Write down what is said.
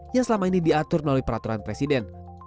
yang selama ini diatur melalui peraturan presiden